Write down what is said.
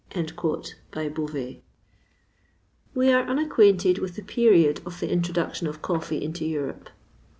BEAUVAIS. We are unacquainted with the period of the introduction of coffee into Europe.